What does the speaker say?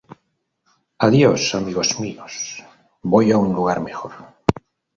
Adiós, amigos míos. Voy a un lugar mejor.